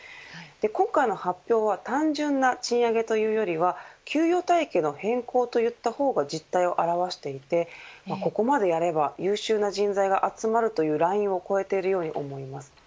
今回の発表は単純な賃上げというよりは給与体系の変更と言った方が実態を表していてここまでやれば優秀な人材が集まるというラインを越えているように思います。